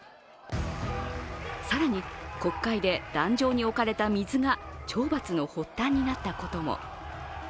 更に、国会で壇上に置かれた水が懲罰の発端になったことも。